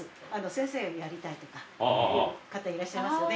先生をやりたいとかいう方いらっしゃいますよね。